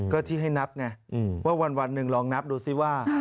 เก่าที่ให้นับไงวันนึงลองนับดูสิว่า